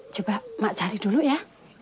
coba mak cari dulu ya